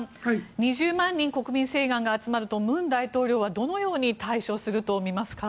２０万人、国民請願が集まると文大統領はどのように対処すると見ますか？